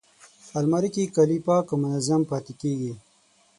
الماري کې کالي پاک او منظم پاتې کېږي